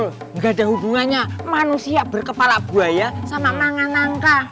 enggak ada hubungannya manusia berkepala buaya sama makan nangka